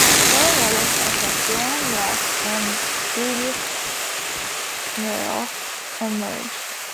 Women writers, such as Joanna Russ and Judith Merril, emerged.